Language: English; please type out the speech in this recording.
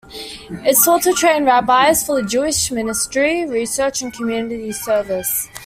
It sought to train rabbis for the Jewish ministry, research, and community service.